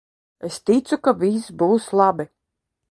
Es ticu, ka viss būs labi!